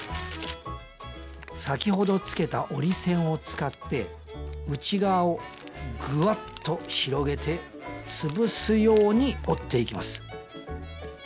先ほどつけた折り線を使って内側をグワッと広げて潰すように折っていきます